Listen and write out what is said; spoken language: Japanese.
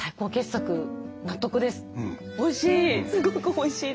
おいしい！